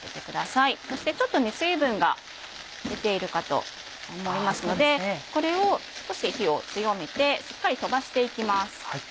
そしてちょっと水分が出ているかと思いますのでこれを少し火を強めてしっかり飛ばして行きます。